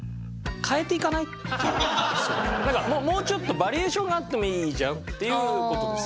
なんかもうちょっとバリエーションがあってもいいじゃんっていう事です。